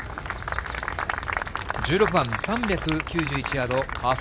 １６番、３９１ヤードパー４。